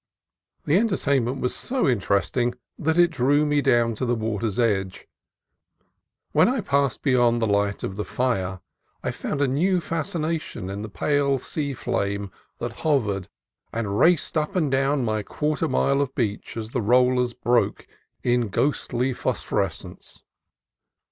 The entertainment was so interesting that it drew me down to the water's edge. When I passed be yond the light of the fire, I found a new fascination in the pale sea flame that hovered and raced up and down my quarter mile of beach as the rollers broke in ghostly phosphorescence.